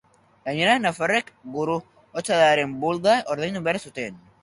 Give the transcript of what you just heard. Gainera nafarrek Gurutzadaren bulda ordaindu behar zuten.